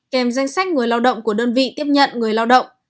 kèm danh sách người lao động của đơn vị tiếp nhận người lao động